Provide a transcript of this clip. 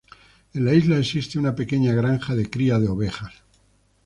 En la isla existe una pequeña granja de cría de ovejas.